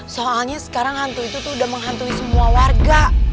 soalnya sekarang hantu itu tuh udah menghantui semua warga